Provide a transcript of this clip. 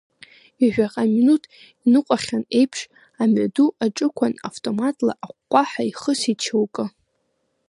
Ҩажәаҟа минуҭ иныҟәахьан еиԥш, амҩаду аҿықәан автоматла аҟәҟәаҳәа ихысит шьоукы.